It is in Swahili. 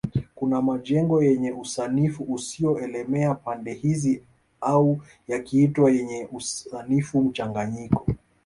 kuna majengo yenye usanifu usio elemea pande hizi au yakiitwa yenye usanifu mchanganyiko